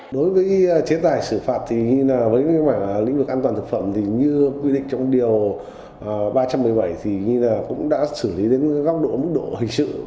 đối với chế tài xử phạt thì với lĩnh vực an toàn thực phẩm thì như quy định trong điều ba trăm một mươi bảy thì như là cũng đã xử lý đến góc độ mức độ hình sự